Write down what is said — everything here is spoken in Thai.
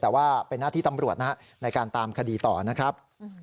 แต่ว่าเป็นหน้าที่ตำรวจนะครับในการตามคดีต่อนะครับ